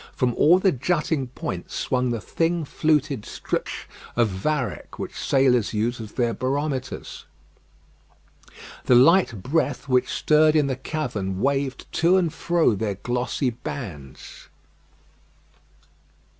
From all the jutting points swung the thin fluted strips of varech, which sailors use as their barometers. The light breath which stirred in the cavern waved to and fro their glossy bands.